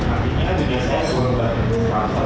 artinya bikin saya berubah